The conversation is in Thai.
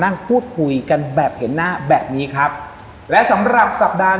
นั่งพูดคุยกันแบบเห็นหน้าแบบนี้ครับและสำหรับสัปดาห์